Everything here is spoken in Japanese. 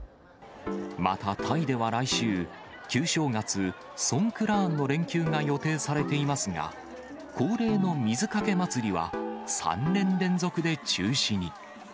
また、タイでは来週、旧正月、ソンクラーンの連休が予定されていますが、恒例の水かけ祭りは、３年連続で中止に。